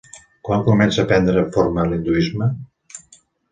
Quan comença a prendre forma l'hinduisme?